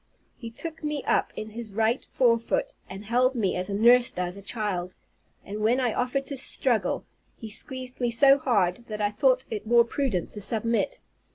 He took me up in his right forefoot, and held me as a nurse does a child; and when I offered to struggle, he squeezed me so hard, that I thought it more prudent to submit.